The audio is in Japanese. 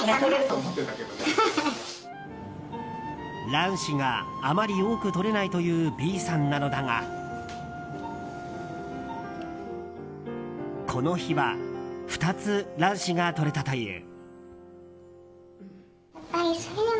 卵子があまり多く採れないというＢさんなのだがこの日は２つ卵子が採れたという。